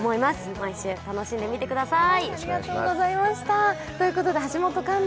毎週楽しんで見てください。